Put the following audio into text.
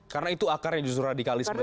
karena itu akarnya justru radikalisme